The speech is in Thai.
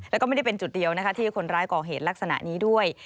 แล้วก็ไม่ได้เป็นจุดเดียวนะคะที่คนร้ายก่อเหตุลักษณะนี้ด้วย